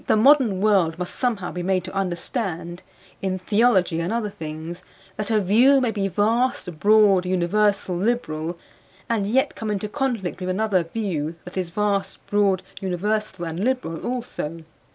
The modern world must somehow be made to understand (in theology and other things) that a view may be vast, broad, universal, liberal and yet come into conflict with another view that is vast, broad, universal and liberal also.